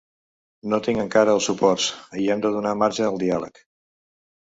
No tinc encara els suports i hem de donar marge al diàleg.